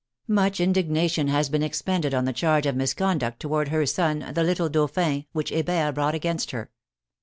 Much in dignation has been expended on the charge of misconduct towards her son, the little dauphin, which Hebert brought against her.